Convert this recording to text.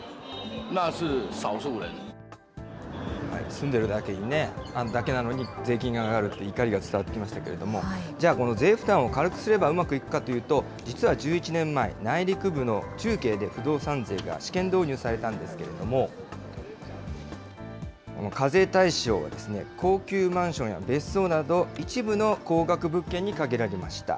住んでるだけなのに、税金が上がるって、怒りが伝わってきましたけど、じゃあこの税負担を軽くすればうまくいくかというと、実は１１年前、内陸部の重慶で不動産税が試験導入されたんですけれども、課税対象は高級マンションや別荘など、一部の高額物件に限られました。